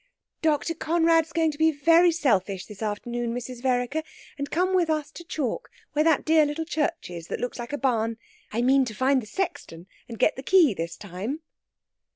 "Dr. Conrad's going to be very selfish this afternoon, Mrs. Vereker, and come with us to Chalke, where that dear little church is that looks like a barn. I mean to find the sexton and get the key this time."